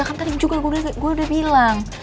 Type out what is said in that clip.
kan tadi juga gue udah bilang